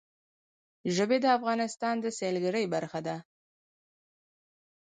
ژبې د افغانستان د سیلګرۍ برخه ده.